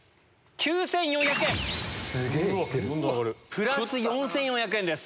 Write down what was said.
プラス４４００円です。